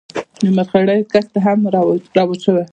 د مرخیړیو کښت هم رواج شوی.